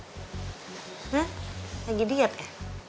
hah lagi diet ya